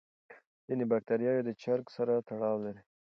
ځینې بکتریاوې د چرګ سره تړاو لري.